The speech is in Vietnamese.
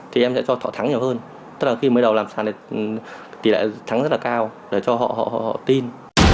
thì em sẽ cho thọ thắng nhiều hơn tức là khi mới đầu làm sàn tỷ lệ thắng rất là cao để cho họ họ tin